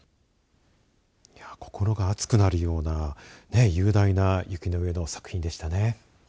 心が熱くなるような雄大な雪の上の作品でしたね。